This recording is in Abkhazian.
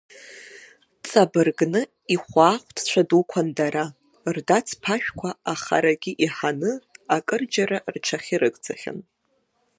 Ҵабыргны, ихәаахәҭцәа дуқәан дара, рдацԥашәқәа ахарагьы иҳаны, акырџьара рҽахьырыгӡахьан.